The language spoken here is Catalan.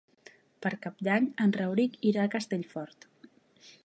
Per Cap d'Any en Rauric irà a Castellfort.